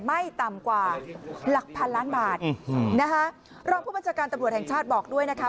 ไม่ต่ำกว่าหลักพันล้านบาทนะคะรองผู้บัญชาการตำรวจแห่งชาติบอกด้วยนะคะ